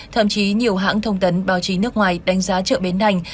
thậm chí nhiều hãng thông tấn báo chí nước ngoài đánh giá chợ bến đành